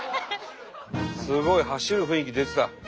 すごい走る雰囲気出てた。